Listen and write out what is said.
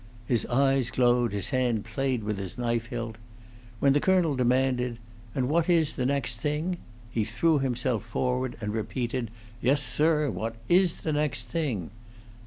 His eyes glowed, his hand played with his knife hilt. When the colonel demanded, "And what is the next thing?" he threw himself forward, and repeated: "Yes, sir! What is the next thing?"